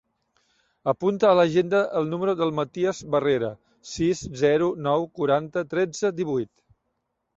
Apunta a l'agenda el número del Matías Barrera: sis, zero, nou, quaranta, tretze, divuit.